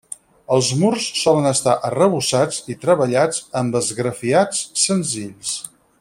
Els murs solen estar arrebossats i treballats amb esgrafiats senzills.